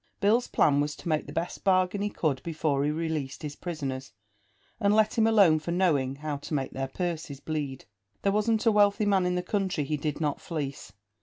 Bill's plan was to make the best bargain he could before he released his prisoners; and let him alone for knowing how to make their purses bleed. There wasn't a wealthy man in the country he did not fleece.